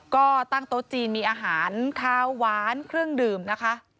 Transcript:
ก็ตั้งโต๊ะจีนมีอาหารขาวหวานเครื่องดื่มนะคะ